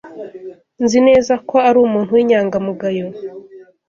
Nzi neza ko ari umuntu w'inyangamugayo.